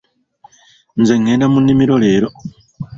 Nze ngenda mu nnimiro leero.